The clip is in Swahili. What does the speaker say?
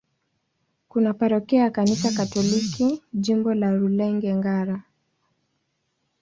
Kuna parokia ya Kanisa Katoliki, Jimbo la Rulenge-Ngara.